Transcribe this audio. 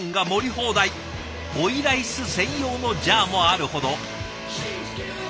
放題追いライス専用のジャーもあるほど。